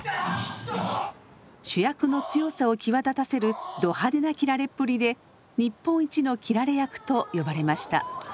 主役の強さを際立たせるド派手な斬られっぷりで日本一の斬られ役と呼ばれました。